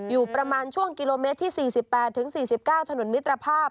อยู่ประมาณช่วงกิโลเมตรที่๔๘๔๙ถนนมิตรภาพ